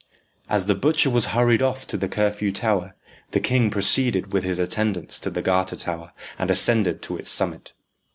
As the butcher was hurried off to the Curfew Tower, the king proceeded with his attendants to the Garter Tower, and ascended to its summit.